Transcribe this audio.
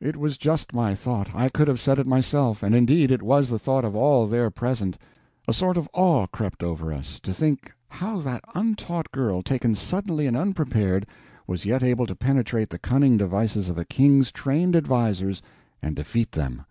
It was just my thought; I could have said it myself; and indeed it was the thought of all there present. A sort of awe crept over us, to think how that untaught girl, taken suddenly and unprepared, was yet able to penetrate the cunning devices of a King's trained advisers and defeat them.